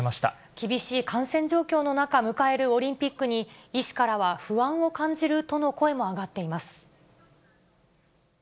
厳しい感染状況の中、迎えるオリンピックに、医師からは不安を感じるとの声も上がっています。